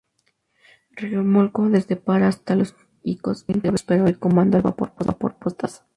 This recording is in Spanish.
Remolcó desde Pará hasta Iquitos al bergantín "Próspero"; y comandó al vapor "Pastaza".